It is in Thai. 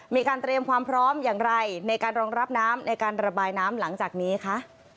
มีการเตรียมความพร้อมอย่างไรในการรองรับน้ำในการระบายน้ำหลังจากนี้คะ